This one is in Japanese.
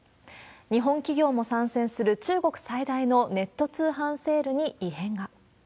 日本企業も参戦する中国最大のネット通販セールに異変が。